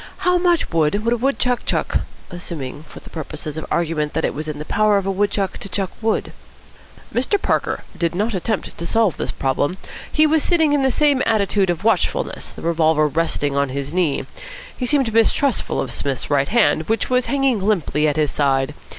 How much wood would a wood chuck chuck, assuming for purposes of argument that it was in the power of a wood chuck to chuck wood?" Mr. Parker did not attempt to solve this problem. He was sitting in the same attitude of watchfulness, the revolver resting on his knee. He seemed mistrustful of Psmith's right hand, which was hanging limply at his side.